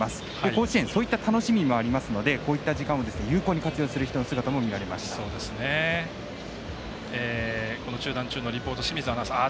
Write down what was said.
甲子園、そういった楽しみもありますのでこういった時間を有効に活用する人たちの姿も中断中のリポート清水アナウンサー。